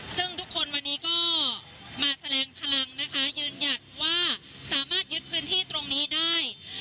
ซึ่งทุกคนวันนี้ก็มาแสดงพลังนะคะยืนหยัดว่าสามารถยึดพื้นที่ตรงนี้ได้